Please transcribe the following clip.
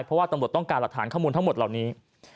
เพราะว่าตำรวจต้องการหลักฐานข้อมูลทั้งหมดเหล่านี้